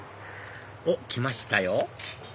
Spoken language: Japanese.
おっ来ましたよ